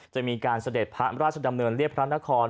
จะมีการเสด็จพระราชดำเนินเรียบพระนคร